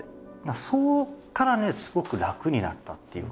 そこからねすごく楽になったっていうか。